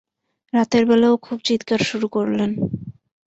রাতের বেলাও খুব চিৎকার শুরু করলেন।